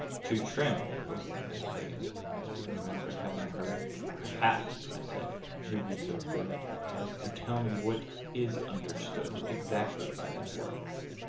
"To trim" was not a phrase I could Remember having heard: "Perhaps," I said, "you'll be so good As tell me what is understood Exactly by that word?"